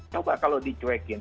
coba kalau dicuekin